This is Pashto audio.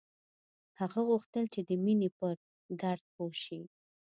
هغه غوښتل چې د مینې پر درد پوه شي